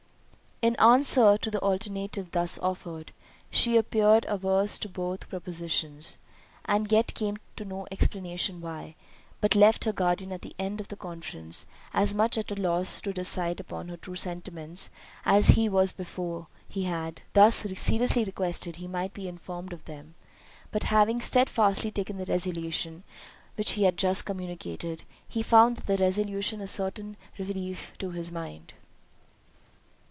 In answer to the alternative thus offered, she appeared averse to both propositions; and yet came to no explanation why; but left her guardian at the end of the conference as much at a loss to decide upon her true sentiments, as he was before he had thus seriously requested he might be informed of them; but having stedfastly taken the resolution which he had just communicated, he found that resolution a certain relief to his mind.